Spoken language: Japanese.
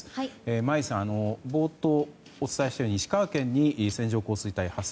眞家さん、冒頭お伝えしたように石川県に線状降水帯発生。